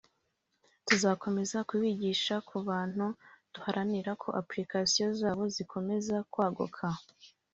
tuzanakomeza kubigisha ku buntu duharanira ko application zabo zikomeza kwaguka